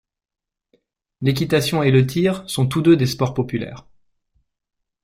L'équitation et le tir sont tous deux des sports populaires.